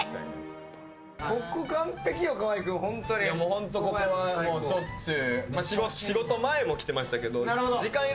ホントここはしょっちゅう。